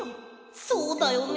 そうだよね。